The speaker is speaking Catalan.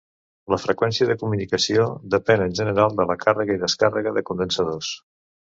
La freqüència de commutació depèn, en general, de la càrrega i descàrrega de condensadors.